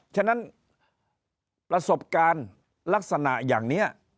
ฉะนั้นประสบการณ์ลักษณะอย่างนี้